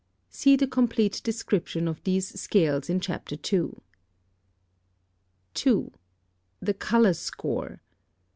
See the complete description of these scales in Chapter II. 2. _The Color Score.